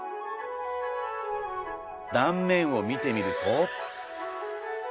断面を見てみると。